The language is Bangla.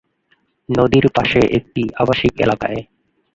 নদীর পাশে একটি আবাসিক এলাকায়।